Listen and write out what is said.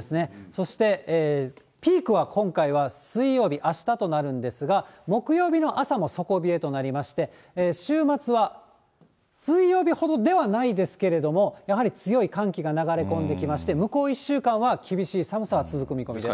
そしてピークは今回は水曜日、あしたとなるんですが、木曜日の朝も底冷えとなりまして、週末は、水曜日ほどではないですけれども、やはり強い寒気が流れ込んできまして、向こう１週間は厳しい寒さが続く見込みです。